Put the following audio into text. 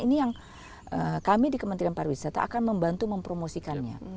ini yang kami di kementerian pariwisata akan membantu mempromosikannya